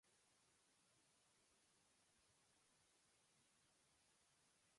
Jurgella., Wing Command Chief.